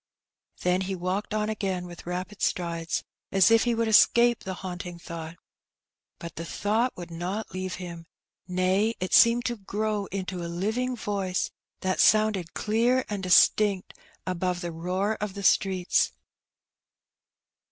Then he walked on again with rapid strides, as if he would escape the haunting thought. But the thought would not leave him ; nay, it seemed to grow into a living voice, that sounded clear and distinct above the roar of the streets.